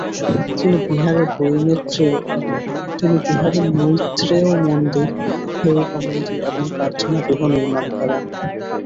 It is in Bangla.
তিনি বিহারে মৈত্রেয় মন্দির, হেরুকা মন্দির ও প্রার্থনা গৃহ নির্মাণ করান।